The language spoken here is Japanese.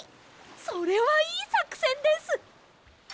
それはいいさくせんです！